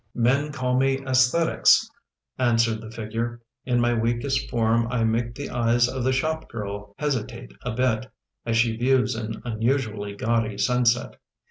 " Men call me Aesthetics," answered the figure. "In my weakest form I make the eyes of the shop girl hesi tate a bit, as she views an unusually gaudy sunset.